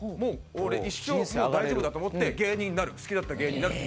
俺一生大丈夫だと思って芸人になる好きだった芸人になるって。